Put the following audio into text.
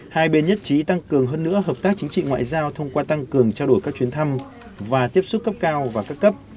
hai bên nhất trí tăng cường hơn nữa hợp tác chính trị ngoại giao thông qua tăng cường trao đổi các chuyến thăm và tiếp xúc cấp cao và các cấp